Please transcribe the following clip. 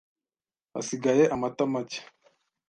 Hasigaye amata make.